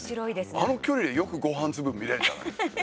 あの距離でよくごはん粒見えたね。